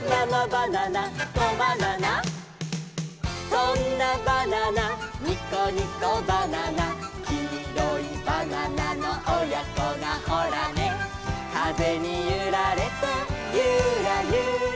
「そんなバナナニコニコバナナ」「きいろいバナナのおやこがホラネ」「かぜにゆられてユラユラ」